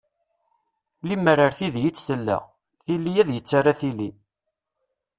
Lemmer ar tiddi i tt-tella, tili ad yettarra tili.